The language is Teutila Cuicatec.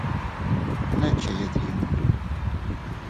¿Ne ched yundu?